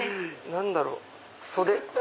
何だろう袖。